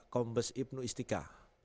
kombes ibnu istika